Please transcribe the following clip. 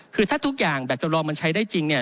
คือถ้าทุกอย่างแบบจำลองมันใช้ได้จริงเนี่ย